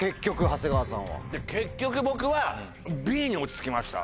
結局僕はＢに落ち着きました。